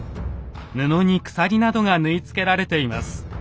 布に鎖などが縫い付けられています。